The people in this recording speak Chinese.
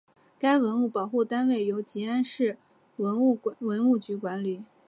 该文物保护单位由集安市文物局管理。